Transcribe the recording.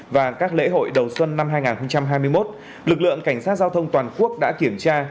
và các lễ hội đầu xuân năm hai nghìn hai mươi một lực lượng cảnh sát giao thông toàn quốc đã kiểm tra